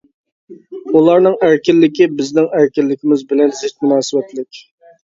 ئۇلارنىڭ ئەركىنلىكى بىزنىڭ ئەركىنلىكىمىز بىلەن زىچ مۇناسىۋەتلىك.